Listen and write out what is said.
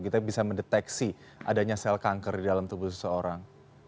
kita bisa mendeteksi adanya sel kanker di dalam tubuh seseorang